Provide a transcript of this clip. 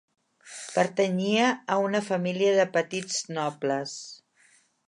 Pertanyia a una família de petits nobles.